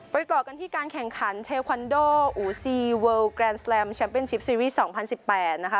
ปริกรตกันที่การแข่งขันเทวควันโด่อูซีเวิลล์กรานด์สแลมแชมเปญชิพซีวีสองพันสิบแปนนะคะ